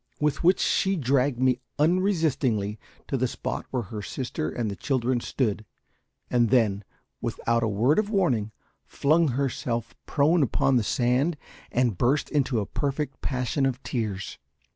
With which, she dragged me unresistingly to the spot where her sister and the children stood, and then, without a word of warning, flung herself prone upon the sand and burst into a perfect passion of tears.